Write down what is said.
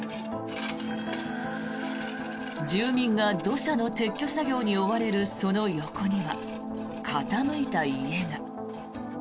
住民が土砂の撤去作業に追われるその横には傾いた家が。